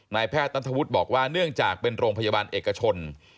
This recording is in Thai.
แพทย์นัทธวุฒิบอกว่าเนื่องจากเป็นโรงพยาบาลเอกชน